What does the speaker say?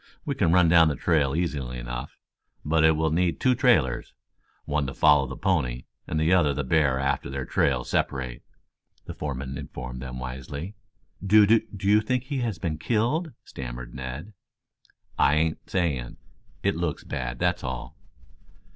We can run down the trail easily enough, but it will need two trailers, one to follow the pony and the other the bear after their trails separate," the foreman informed them wisely. "Do do you think he has been killed?" stammered Ned. "I ain't saying. It looks bad, that's all."